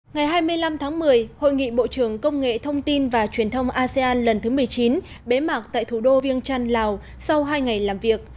ngày hai mươi năm tháng một mươi hội nghị bộ trưởng công nghệ thông tin và truyền thông asean lần thứ một mươi chín bế mạc tại thủ đô viêng trăn lào sau hai ngày làm việc